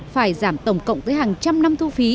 phải giảm tổng cộng tới hàng trăm năm thu phí